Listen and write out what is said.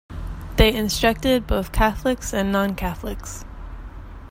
They instructed both Catholics and non-Catholics.